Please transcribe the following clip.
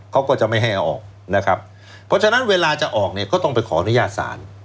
เขาก็จะไม่ให้เอาออกนะครับเพราะฉะนั้นเวลาจะออกเนี่ยก็ต้องไปขออนุญาตศาล